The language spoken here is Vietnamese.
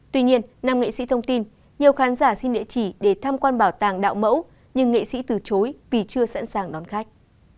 tuy nhiên năm nghệ sĩ thông tin nhiều khán giả xin địa chỉ để tham quan bảo tàng đạo mẫu nhưng nghệ sĩ từ chối vì chưa sẵn sàng đón khách